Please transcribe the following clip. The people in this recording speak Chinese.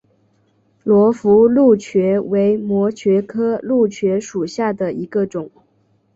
罗浮蕗蕨为膜蕨科蕗蕨属下的一个种。